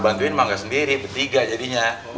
bantuin emang gak sendiri bertiga jadinya